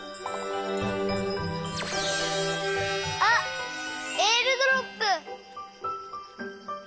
えーるドロップ！